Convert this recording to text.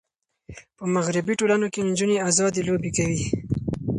په مغربي ټولنو کې نجونې آزادې لوبې کوي.